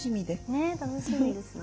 ねえ楽しみですね。